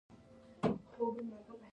د هېواد جغرافیه کې هندوکش اهمیت لري.